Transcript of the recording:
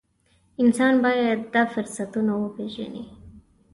انسان باید دا فرصتونه وپېژني.